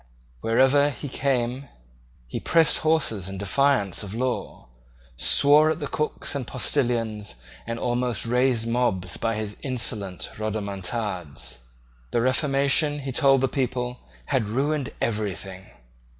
Wherever he came he pressed horses in defiance of law, swore at the cooks and postilions, and almost raised mobs by his insolent rodomontades. The Reformation, he told the people, had ruined everything.